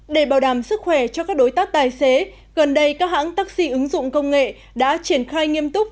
để bảo đảm sức khỏe cho các đối tác tài xế gần đây các hãng taxi ứng dụng công nghệ đã triển khai nghiêm túc